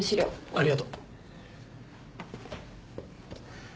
ありがとう。